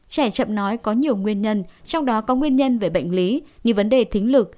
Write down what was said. trẻ chậm nói có nhiều nguyên nhân trong đó có nguyên nhân về bệnh lý như vấn đề thính lực